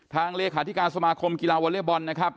เลขาธิการสมาคมกีฬาวอเล็กบอลนะครับ